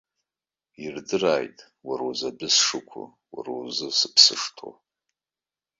Ирдырааит уара узы адәы сшықәу, уара узы сыԥсы шҭоу!